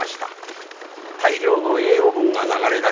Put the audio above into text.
大量の栄養分が流れ出し